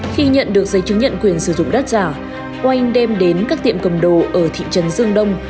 khi nhận được giấy chứng nhận quyền sử dụng đất giả oanh đem đến các tiệm cầm đồ ở thị trấn dương đông